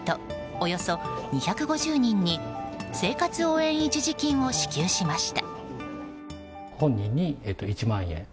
およそ２５０人に生活応援一時金を支給しました。